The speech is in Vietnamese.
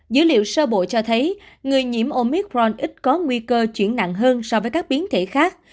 dữ liệu sơ bộ cho thấy người nhiễm omic ron ít có nguy cơ chuyển nặng hơn so với các biến thể khác